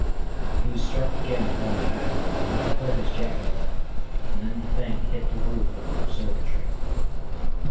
He was struck again upon the back, and he heard his jacket rip, and then the thing hit the roof of the observatory.